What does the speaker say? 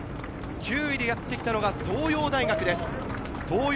９位でやってきたのは東洋大学です。